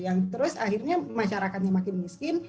yang terus akhirnya masyarakatnya makin miskin